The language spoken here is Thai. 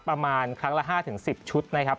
ประมาณครั้งละ๕๑๐ชุดนะครับ